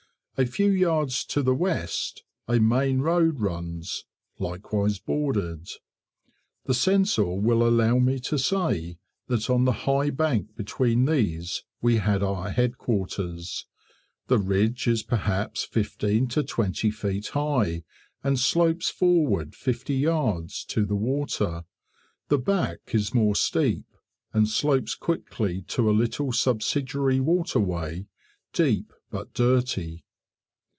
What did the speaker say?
A few yards to the West a main road runs, likewise bordered; the Censor will allow me to say that on the high bank between these we had our headquarters; the ridge is perhaps fifteen to twenty feet high, and slopes forward fifty yards to the water, the back is more steep, and slopes quickly to a little subsidiary water way, deep but dirty.